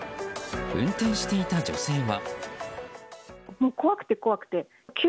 運転していた女性は。